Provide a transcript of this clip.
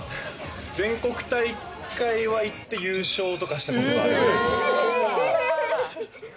全国大会は行って優勝とかした事がある。